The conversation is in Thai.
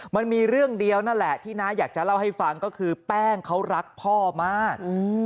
มันมีเรื่องเดียวนั่นแหละที่น้าอยากจะเล่าให้ฟังก็คือแป้งเขารักพ่อมาก